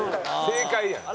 正解やん。